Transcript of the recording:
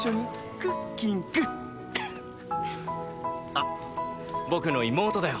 あっ僕の妹だよ。